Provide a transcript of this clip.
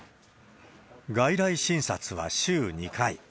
外来診察は週２回。